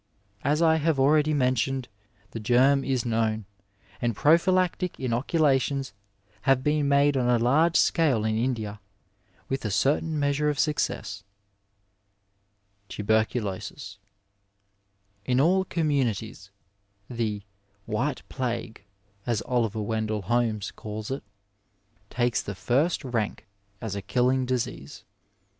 As I have already men tioned, the germ is known, and prophylactic inoculations have been made on a large scale in India, with a certain measure of success. Tuberculosis, — In all communities the white plague, 256 Digitized by Google MEDICINE IN THE NINETEENTH CENTURY as Oliver Wendell Holmes calls it, takes the first lank as a killing disease.